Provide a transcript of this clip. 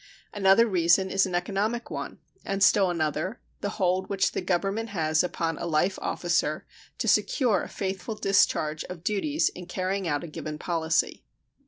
Another reason is an economic one; and still another, the hold which the Government has upon a life officer to secure a faithful discharge of duties in carrying out a given policy.